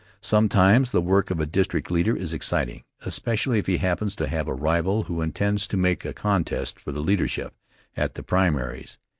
Sometimes the work of a district leader is exciting, especially if he happens to have a rival who intends to make a contest for the leadership at the primaries.